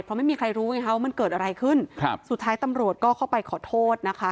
เพราะไม่มีใครรู้ไงคะว่ามันเกิดอะไรขึ้นครับสุดท้ายตำรวจก็เข้าไปขอโทษนะคะ